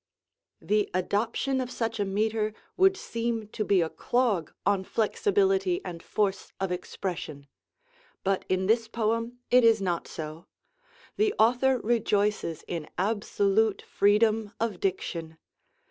The adoption of such a metre would seem to be a clog on flexibility and force of expression. But in this poem it is not so. The author rejoices in absolute freedom of diction.